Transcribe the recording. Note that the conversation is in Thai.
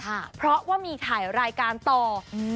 ค่ะเพราะว่ามีถ่ายรายการต่ออืม